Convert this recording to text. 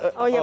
oh iya benar